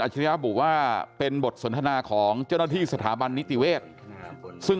ชิริยะบุว่าเป็นบทสนทนาของเจ้าหน้าที่สถาบันนิติเวศซึ่ง